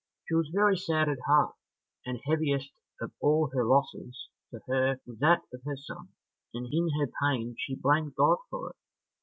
She was very sad at heart, and heaviest of all her losses to her was that of her sons; and in her pain she blamed God for it.